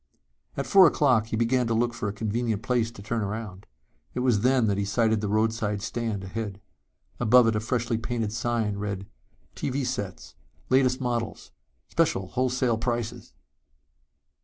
At four o'clock he began to look for a convenient place to turn around. It was then that he sighted the roadside stand ahead. Above it a freshly painted sign read: TV SETS. LATEST MODELS. SPECIAL WHOLESALE PRICES!